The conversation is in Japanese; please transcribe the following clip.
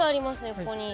ここに。